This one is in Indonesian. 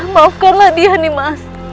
maafkanlah dia nima